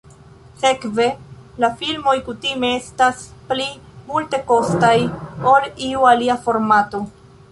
Sekve, la filmoj kutime estas pli multekostaj ol iu alia formato.